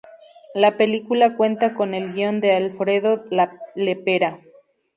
La película cuenta con el guion de Alfredo Le Pera.